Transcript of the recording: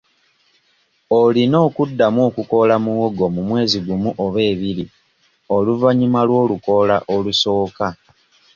Olina okuddamu okukoola muwogo mu mwezi gumu oba ebiri oluvannyuma lw'olukoola olusooka.